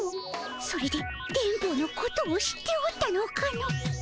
それで電ボのことを知っておったのかの。